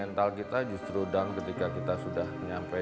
mental kita justru dang ketika kita sudah nyampe